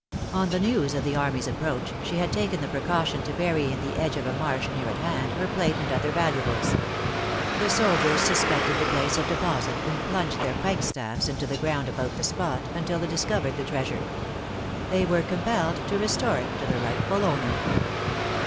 On the news of the army's approach, she had taken the precaution to bury in the edge of a marsh near at hand, her plate and other valuables. The soldiers suspected the place of deposit, and plunged their pike staffs into the ground about the spot, until they discovered the treasure. They were compelled to restore it to the rightful owner.